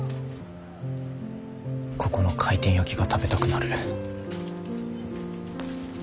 ここの回転焼きが食べたくなる。